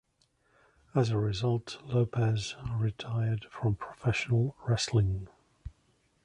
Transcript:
As a result, Lopez retired from professional wrestling.